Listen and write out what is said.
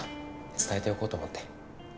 伝えておこうと思って。